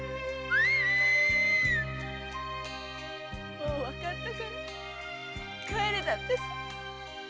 ・「もうわかったから帰れ」だって。